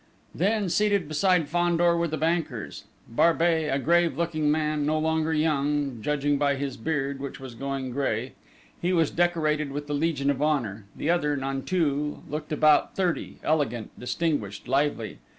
Then, seated beside Fandor were the bankers: Barbey, a grave looking man, no longer young, judging by his beard, which was going grey; he was decorated with the Legion of Honour: the other, Nanteuil, looked about thirty, elegant, distinguished, lively.